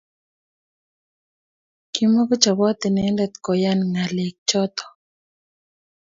Komakochopot inendet koyan ng'alek chotok